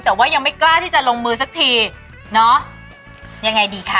แต่ว่ายังไม่กล้าที่จะลงมือสักทีเนอะยังไงดีคะ